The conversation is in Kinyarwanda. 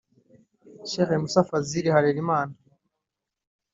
Sheikh Musa Fazil Halerimana